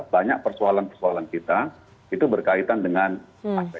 banyak persoalan persoalan kita itu berkaitan dengan aspek